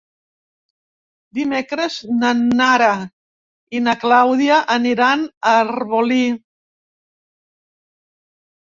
Dimecres na Nara i na Clàudia aniran a Arbolí.